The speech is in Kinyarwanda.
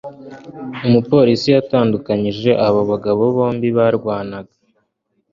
umupolisi yatandukanije abo bagabo bombi barwanaga